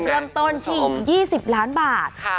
เริ่มต้นที่๒๐ล้านบาทค่ะ